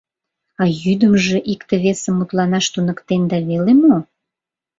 А йӱдымжӧ икте-весым мутланаш туныктенда веле мо?